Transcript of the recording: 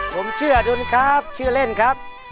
ผมเชื่อดนครับชื่อเล่นครับ